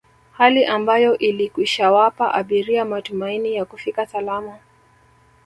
Hali ambayo ilikwishawapa abiria matumaini ya kufika salama